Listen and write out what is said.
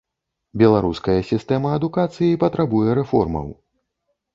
Беларуская сістэма адукацыі патрабуе рэформаў.